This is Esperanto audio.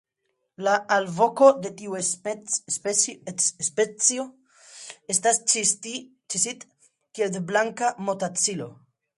La alvoko de tiu specio estas "ĉis-it" kiel de Blanka motacilo.